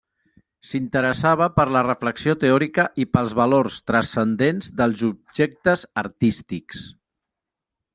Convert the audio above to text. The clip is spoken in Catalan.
S'interessava per la reflexió teòrica i pels valors transcendents dels objectes artístics.